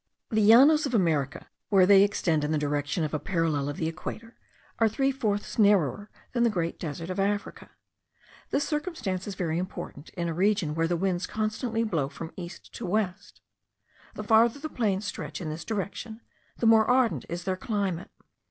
The Llanos of America, where they extend in the direction of a parallel of the equator, are three fourths narrower then the great desert of Africa. This circumstance is very important in a region where the winds constantly blow from east to west. The farther the plains stretch in this direction, the more ardent is their climate.